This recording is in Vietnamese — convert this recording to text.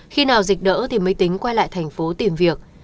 khi nào dịch đỡ thì mới tính quay lại thành phố tìm việc